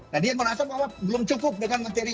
nah dia merasa bahwa belum cukup dengan materi